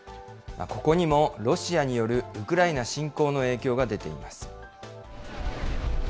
ここにもロシアによるウクライナ侵攻の影響が出ています。